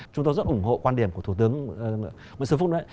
chúng tôi rất ủng hộ quan điểm của thủ tướng nguyễn xuân phúc đấy